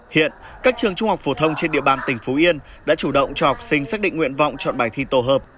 hiện các trường trung học phổ thông trên địa bàn tỉnh phú yên đã chủ động cho học sinh xác định nguyện vọng chọn bài thi tổ hợp